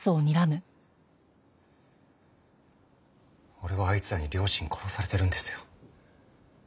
俺はあいつらに両親殺されてるんですよ。